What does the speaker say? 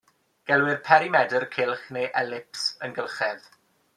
Gelwir perimedr cylch neu elips yn gylchedd.